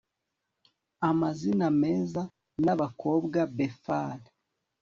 Amazina meza nabakobwa Befal